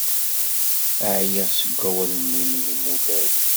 Ɛyiɣ seg wawalen-nwen inmudag.